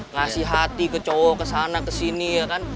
ngasih hati ke cowok kesana kesini ya kan